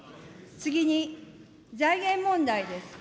次に財源問題です。